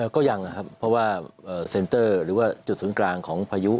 ก็ยังนะครับเพราะว่าเซ็นเตอร์หรือว่าจุดศูนย์กลางของพายุ